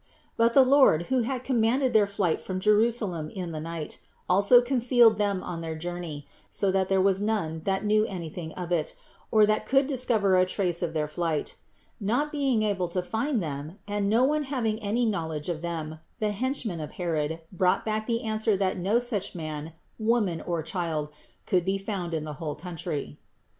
But the Lord, who had commanded their flight from Jerusalem in the night, also concealed them on their journey, so that there was none that knew any thing of it, or that could discover a trace of their flight. Not being able to find Them, and no one having any knowledge of Them, the henchmen of Herod brought 575 576 CITY OF GOD back the answer that no such man, woman or child could be found in the whole country. 673.